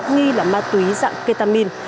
nghi là ma túy dạng ketamine